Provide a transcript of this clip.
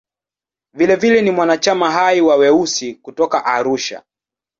Vilevile ni mwanachama hai wa "Weusi" kutoka Arusha.